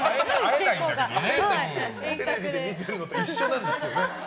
家で見てるのと一緒なんですけどね。